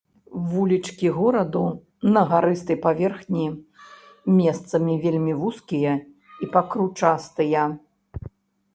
Вулічкі гораду на гарыстай паверхні месцамі вельмі вузкія і пакручастыя.